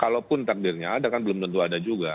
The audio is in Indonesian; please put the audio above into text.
kalaupun takdirnya ada kan belum tentu ada juga